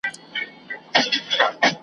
لکه دوې وني چي وباسي ښاخونه .